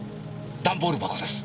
ダンボール箱です！